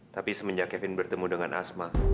tapi semenjak kevin bertemu dengan asma